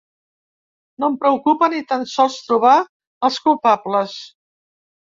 No em preocupa ni tan sols trobar els culpables.